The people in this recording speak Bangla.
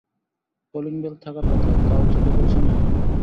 কলিং-বেল থাকার কথা, তাও চোখে পড়ছে না।